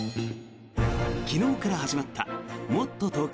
昨日から始まったもっとＴｏｋｙｏ